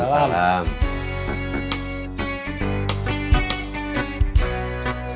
saya sudah berhasil mengulangi